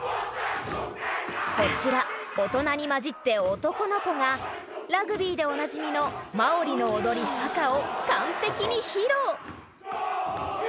こちら大人に交じって男の子がラグビーでおなじみのマオリの踊りハカを完璧に披露